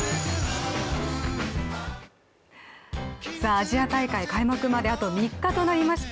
アジア大会開幕まであと３日となりました。